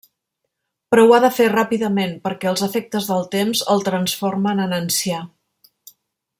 Però ho ha de fer ràpidament perquè els efectes del temps el transformen en ancià.